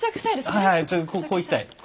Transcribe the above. はいちょっとこう行きたい。